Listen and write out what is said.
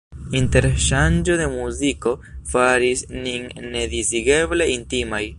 Interŝanĝo de muziko faris nin nedisigeble intimaj.